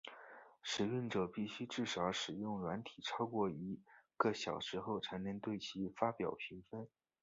使用者必须至少使用软体超过一个小时后才能对其发表评分。